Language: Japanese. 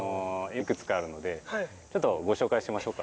いくつかあるので、ちょっとご紹介しましょうか？